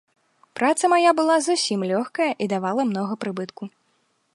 Праца мая была зусім лёгкая і давала многа прыбытку.